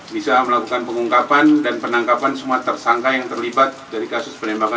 bisa melakukan pengungkapan dan penangkapan semua tersangka yang terlibat dari kasus penembakan